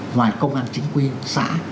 ngoài công an chính quyền xã